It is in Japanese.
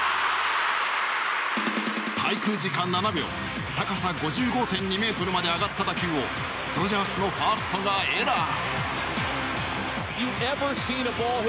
滞空時間７秒高さ５５．２ｍまで上がった打球をドジャースのファーストがエラー。